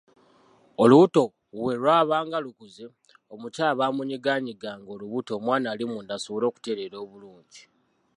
Olubuto bwe lwabanga lukuze, omukyala baamunyigaanyiganga olubuto omwana ali munda asobole okutereera obulungi.